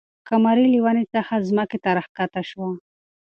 قمري له ونې څخه ځمکې ته راښکته شوه.